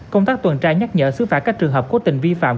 công tác tuần tra nhắc nhở sứ phạm các trường hợp cố tình vi phạm